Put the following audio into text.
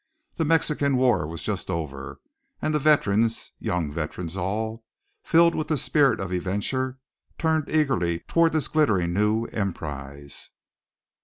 The Mexican war was just over, and the veterans young veterans all filled with the spirit of adventure turned eagerly toward this glittering new emprise.